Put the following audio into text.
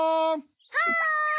はい！